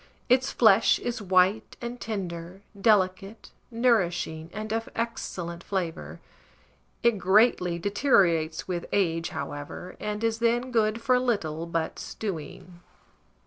Its flesh is white and tender, delicate, nourishing, and of excellent flavour; it greatly deteriorates with age, however, and is then good for little but stewing.